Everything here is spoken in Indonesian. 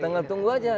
tinggal tunggu saja